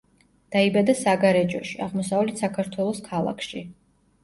დაიბადა საგარეჯოში, აღმოსავლეთ საქართველოს ქალაქში.